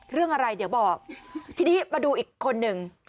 เรื่องอะไรเดี๋ยวบอกทีนี้มาดูอีกคนหนึ่ง